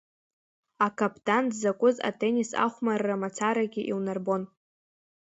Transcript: Акаԥдан дзакәыз атеннис ихәмарра мацарагьы иунарбон.